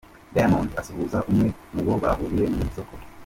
Diamond asuhuza umwe mu bo bahuriye mu isoko.